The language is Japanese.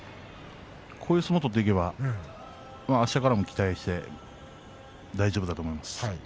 こういう相撲を取っていけばあしたから期待できると思います。